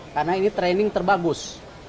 karena ini training terbagus